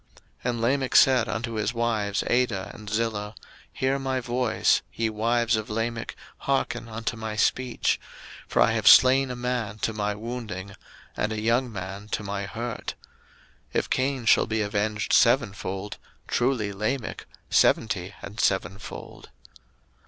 01:004:023 And Lamech said unto his wives, Adah and Zillah, Hear my voice; ye wives of Lamech, hearken unto my speech: for I have slain a man to my wounding, and a young man to my hurt. 01:004:024 If Cain shall be avenged sevenfold, truly Lamech seventy and sevenfold.